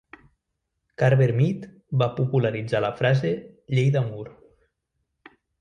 Carver Mead va popularitzar la frase "llei de Moore".